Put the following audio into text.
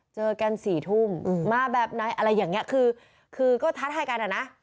เจอกันสี่ทุ่มมาแบบนั้นอะไรอย่างเงี้ยคือคือก็ทัดทายกันแหละน่ะ